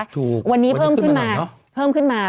ถูกวันนี้ขึ้นมาหน่อยเนอะวันนี้เพิ่มขึ้นมา